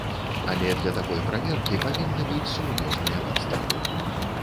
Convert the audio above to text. Але для такой праверкі павінны быць сур'ёзныя падставы.